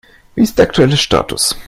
Wie ist der aktuelle Status?